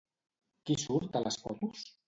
Qui surt a les fotos?